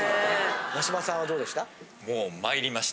眞島さんはどうでした？